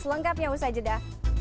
selengkapnya usah jeda